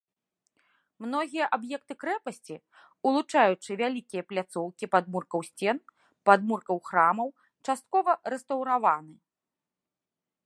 Многія аб'екты крэпасці, улучаючы вялікія пляцоўкі падмуркаў сцен, падмуркаў храмаў часткова рэстаўраваны.